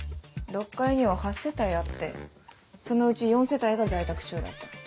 ６階には８世帯あってそのうち４世帯が在宅中だった。